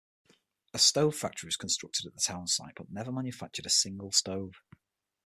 A stove factory was constructed at the town-site but never manufactured a single stove.